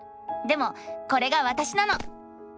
でもこれがわたしなの！